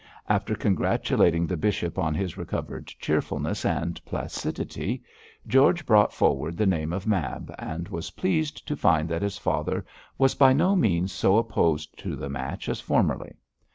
After congratulating the bishop on his recovered cheerfulness and placidity, George brought forward the name of Mab, and was pleased to find that his father was by no means so opposed to the match as formerly.